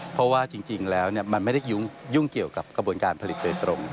เพราะว่าจริงแล้วมันไม่ได้ยุ่งเกี่ยวกับกระบวนการผลิตโดยตรง